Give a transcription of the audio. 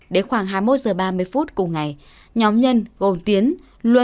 đến khoảng hai mươi một h ba mươi cùng ngày nhóm nhân gồm tiến luân